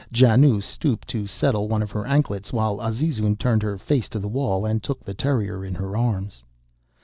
Janoo stooped to settle one of her anklets, while Azizun turned her face to the wall and took the terrier in her arms.